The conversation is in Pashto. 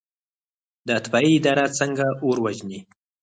د اطفائیې اداره څنګه اور وژني؟